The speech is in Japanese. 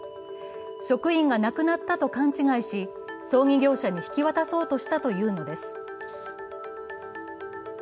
職員が、亡くなったと勘違いし葬儀業者に引き渡そうとしたというのです。